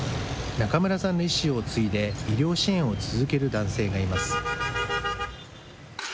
中村さんの遺志を継いで、医療支援を続ける男性がいます。